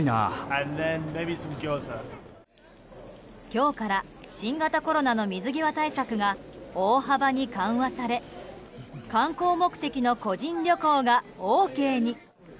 今日から、新型コロナの水際対策が大幅に緩和され観光目的の個人旅行がＯＫに。